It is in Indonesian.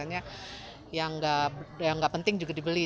yang nggak penting juga dibeli